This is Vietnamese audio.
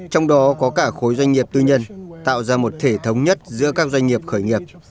trong đó có cả khối doanh nghiệp tư nhân tạo ra một thể thống nhất giữa các doanh nghiệp khởi nghiệp